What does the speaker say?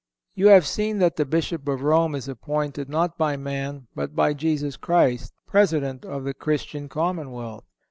You have seen that the Bishop of Rome is appointed not by man, but by Jesus Christ, President of the Christian commonwealth.